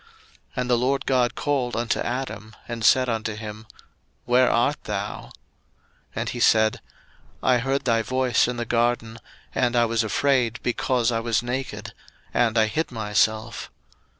01:003:009 And the LORD God called unto Adam, and said unto him, Where art thou? 01:003:010 And he said, I heard thy voice in the garden, and I was afraid, because I was naked; and I hid myself.